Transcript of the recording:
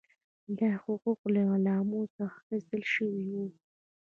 دا حقوق له غلامانو څخه اخیستل شوي وو.